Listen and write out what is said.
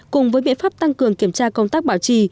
cùng với biện pháp tăng cường kiểm tra công tác bảo trì